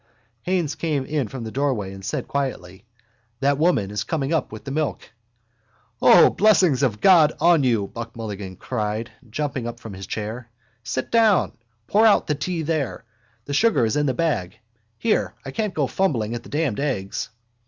Haines came in from the doorway and said quietly: —That woman is coming up with the milk. —The blessings of God on you! Buck Mulligan cried, jumping up from his chair. Sit down. Pour out the tea there. The sugar is in the bag. Here, I can't go fumbling at the damned eggs.